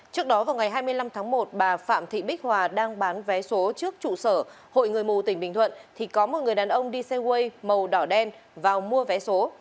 trước đó vào ngày hai mươi năm tháng một bà phạm thị bích hòa đang bán vé số trước trụ sở hội người mù tỉnh bình thuận thì có một người đàn ông đi xe way màu đỏ đen vào mua vé số